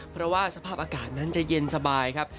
เพราะว่าสภาพอากาศนั้นจะเย็นสบายครับ